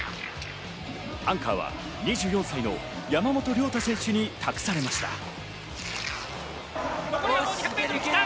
アンカーは２４歳の山本涼太選手に託されました。